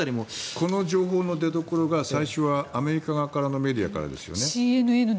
この情報の出どころが最初はアメリカ側からのメディアですよね。